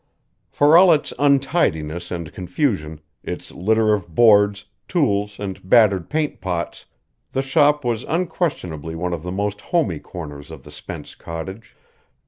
For all its untidiness and confusion, its litter of boards, tools and battered paint pots, the shop was unquestionably one of the most homey corners of the Spence cottage.